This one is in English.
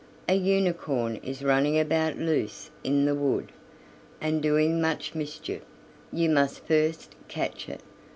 A unicorn is running about loose in the wood, and doing much mischief; you must first catch it."